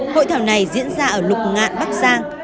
hội thảo này diễn ra ở lục ngạn bắc giang